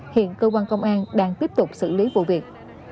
hiện cơ quan công an đang tiếp tục xử lý vụ việc